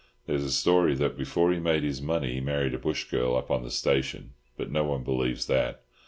There's a story that before he made his money he married a bush girl up on the station, but no one believes that.